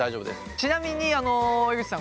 ちなみに江口さん